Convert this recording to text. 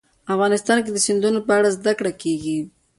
افغانستان کې د سیندونه په اړه زده کړه کېږي.